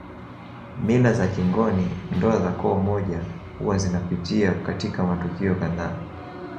Mila za kingoni ndoa za koo moja huwa zinapitia katika matukio kadhaa